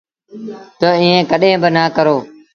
تا ايٚئيٚن ڪڏهيݩ با نا ڪرو۔